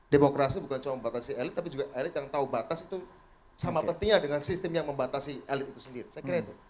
demokrasi bukan cuma membatasi elit tapi juga elit yang tahu batas itu sama pentingnya dengan sistem yang membatasi elit itu sendiri saya kira itu